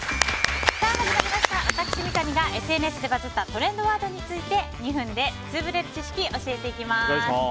私、三上がＳＮＳでバズったトレンドワードについて２分でツウぶれる知識を教えていきます。